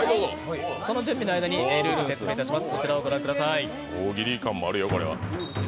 その準備の間にルールを説明いたします。